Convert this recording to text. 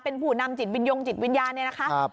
เป็นผู้นำจิตวิญญงจิตวิญญาณเนี่ยนะคะ